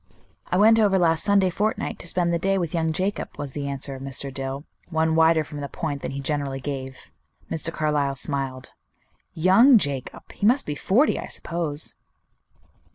"I went over last Sunday fortnight to spend the day with young Jacob," was the answer of Mr. Dill, one wider from the point than he generally gave. Mr. Carlyle smiled. "Young Jacob! He must be forty, I suppose."